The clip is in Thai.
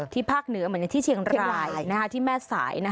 ภาคเหนือเหมือนอย่างที่เชียงรายที่แม่สาย